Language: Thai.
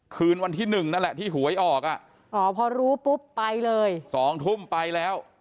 คืนวันที่หนึ่งนั่นแหละที่หวยออกอ่ะอ๋อพอรู้ปุ๊บไปเลยสองทุ่มไปแล้ว